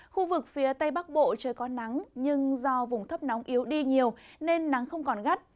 khu vực phía tây bắc bộ trời có nắng nhưng do vùng thấp nóng yếu đi nhiều nên nắng không còn gắt